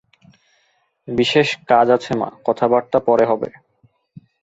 বিশেষ কাজ আছে মা, কথাবার্তা পরে হবে।